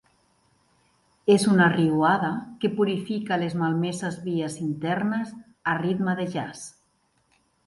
És una riuada que purifica les malmeses vies internes a ritme de jazz.